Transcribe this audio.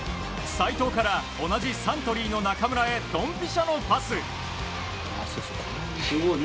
齋藤から同じサントリーの中村へドンピシャのパス。